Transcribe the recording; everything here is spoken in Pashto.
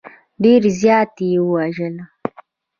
ډېر زیات یې وژړل.